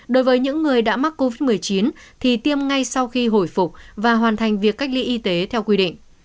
đối với những người đã mắc covid một mươi chín thì tiêm ngay sau khi hồi phục và hoàn thành việc cách ly y tế theo quy định